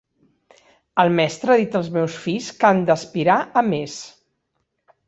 El mestre ha dit als meus fills que han d'aspirar a més.